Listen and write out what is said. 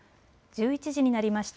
１１時になりました。